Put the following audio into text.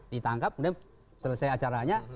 ditangkap kemudian selesai acaranya